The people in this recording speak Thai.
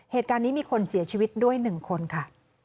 เหตุการณ์นี้มีคนเสียชีวิตด้วย๑คนค่ะ